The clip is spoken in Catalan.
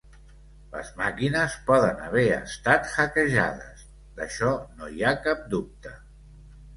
Les màquines poden haver estat hackejades, d’això no hi ha cap dubte.